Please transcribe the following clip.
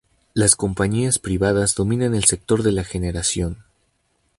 Las compañías privadas dominan el sector de la generación.